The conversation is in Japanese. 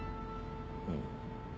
うん。